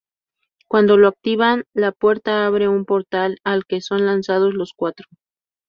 Cuando lo activan, la puerta abre un portal al que son lanzados los cuatro.